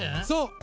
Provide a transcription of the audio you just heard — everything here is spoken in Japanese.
そう。